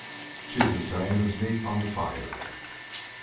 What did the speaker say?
She's the same as meat on the fire."